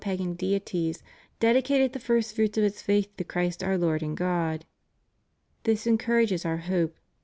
pagan deities, dedicated the first fruits of its faith to Christ our Lord and God. This encourages Our hope.